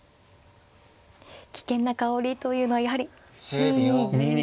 危険なかおりというのはやはり２二銀。